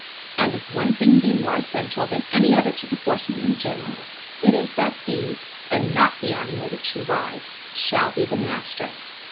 And if one thing be more essential than any other to the horseman in general, it is that he, and not the animal which he rides, shall be the master.